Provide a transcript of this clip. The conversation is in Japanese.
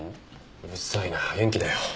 うるさいな元気だよ。